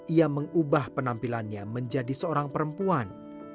ia mengubah penampilannya menjadi seorang perempuan